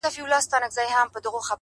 ځكه چي دا خو د تقدير فيصله-